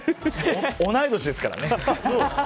同い年ですからね。